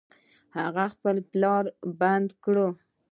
هغه خپل پلار بندي کړ.